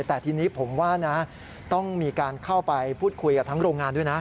แต่ทีนี้ผมว่านะต้องมีการเข้าไปพูดคุยกับทั้งโรงงานด้วยนะ